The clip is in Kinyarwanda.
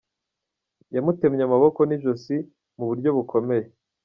Yamutemmye amaboko n’ijosi mu buryo bukomeye.